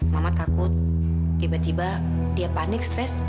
mamat takut tiba tiba dia panik stres